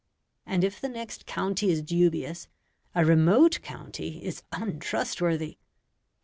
And if the next county is dubious, a remote county is untrustworthy.